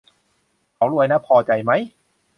เขารวยนะ พอใจไหม